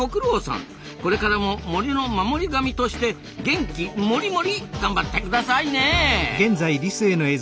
これからも森の守り神として元気モリモリ頑張ってくださいね！